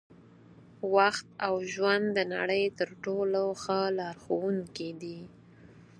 وخت او ژوند د نړۍ تر ټولو ښه لارښوونکي دي.